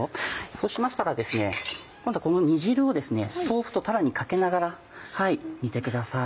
そうしましたら今度はこの煮汁を豆腐とたらにかけながら煮てください。